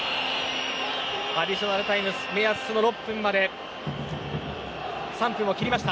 アディショナルタイム目安の６分まで３分を切りました。